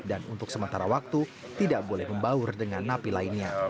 dan untuk sementara waktu tidak boleh membaur dengan napi lainnya